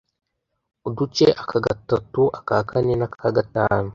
uduce aka gatatu aka kane n aka gatanu